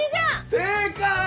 正解！